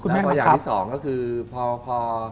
แล้วก็อย่างที่สองก็คือพอ